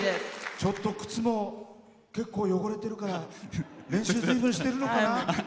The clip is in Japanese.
ちょっと、靴も結構汚れてるから練習ずいぶんしてるのかな。